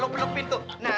lompat lo pintu nah